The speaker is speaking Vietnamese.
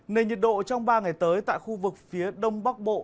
nền nhiệt độ trong ba ngày tới tại khu vực phía đông bắc bộ